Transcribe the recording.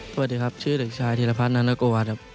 สวัสดีครับชื่อเด็กชายทีละพันธุ์นานกวาดครับ